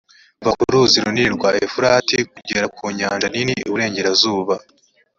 kuva ku ruzi runini rwa efurati, kugera ku nyanja nini iburengerazuba,